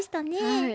はい。